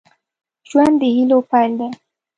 ژوند د هيلو پيل دی